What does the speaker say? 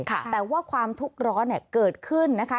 แต่ว่าความทุกข์ร้อนเกิดขึ้นนะคะ